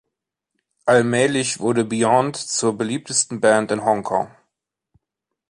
Allmählich wurde Beyond zur beliebtesten Band in Hongkong.